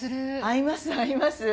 合います合います。